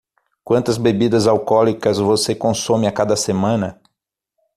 Quantas bebidas alcoólicas você consome a cada semana?